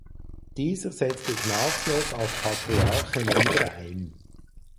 Dieser setzte Ignatios als Patriarchen wieder ein.